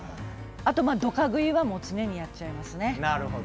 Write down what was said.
あとはドカ食いは常にやっちゃいますね。